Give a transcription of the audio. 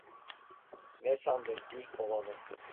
Ne sandın düz ovalı!